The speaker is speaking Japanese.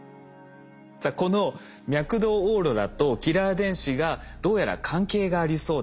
さあこの脈動オーロラとキラー電子がどうやら関係がありそうだ。